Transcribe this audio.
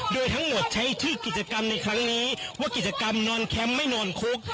โดยทั้งหมดใช้ชื่อกิจกรรมในครั้งนี้ว่ากิจกรรมนอนแคมป์ไม่นอนคุก